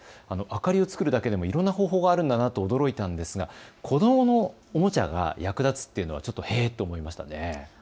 明かりを作るだけでもいろいろな方法があるんだなと驚いたんですが、子どものおもちゃが役立つというのはへえと思いました。